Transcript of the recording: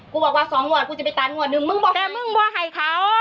กูบอกว่าสองงวดกูจะไปตันงวดนึงมึงบอกไงแต่มึงบ่ไห่เขา